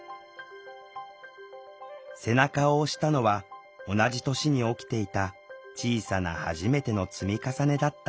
背中を押したのは同じ年に起きていた小さな「はじめて」の積み重ねだった。